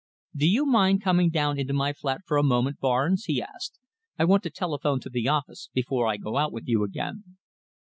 "Do you mind coming down into my flat for a moment, Barnes?" he asked. "I want to telephone to the office before I go out with you again."